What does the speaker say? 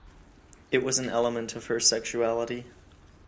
It was an element of her sexuality.